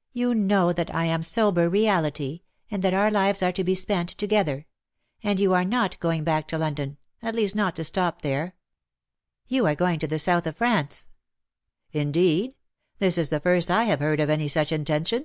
*' You know that I am sober reality, and that •our lives are to be spent together. And you are not going back to London — at least not to stop there. You are going to the South of France. ''■'^' Indeed ? this is the first I have heard of any such intention.